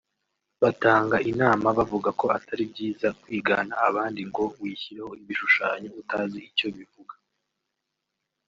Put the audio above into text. Batanga inama bavuga ko atari byiza kwigana abandi ngo wishyireho ibishushanyo utazi icyo bivuga